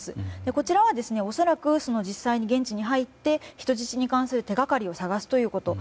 こちらは、恐らく実際に現地に入って人質に関する手掛かりを探すということ。